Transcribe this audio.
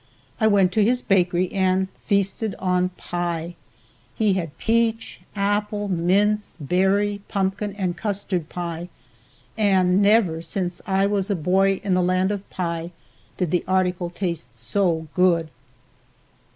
I went to his bakery and feasted on pie. He had peach, apple, mince, berry, pumpkin and custard pie, and never since I was a boy in the land of pie did the article taste so good.